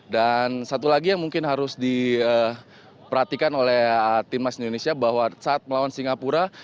dan satu lagi yang mungkin harus diperhatikan oleh timnas indonesia bahwa saat melawan singapura